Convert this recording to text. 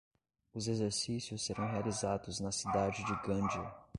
Os exercícios serão realizados na cidade de Gandia.